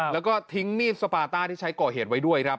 แล้วก็ทิ้งมีดสปาต้าที่ใช้ก่อเหตุไว้ด้วยครับ